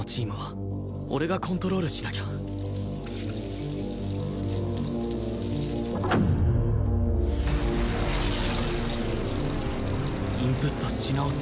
インプットし直すんだ